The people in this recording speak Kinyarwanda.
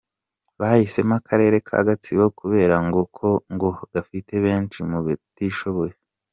Bahisemo Akarere ka Gatsibo kubera ko ngo gafite benshi mu batishoboye.